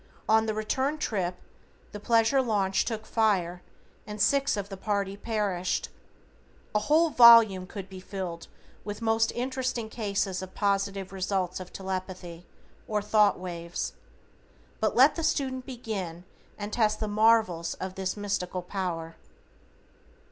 On the return trip the pleasure launch took fire and six of the party perished. A whole volume could be filled with most interesting cases of positive results of Telepathy, or thought waves. But let the student begin and test the marvels of this mystical power.